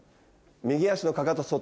右足のかかと外。